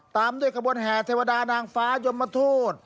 ตามด้วยกระบวนแห่เทวดานางฟ้ายมทูต